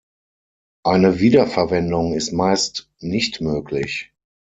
Eine Wiederverwendung ist meist nicht möglich.